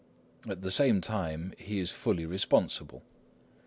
At the same time he is fully responsible.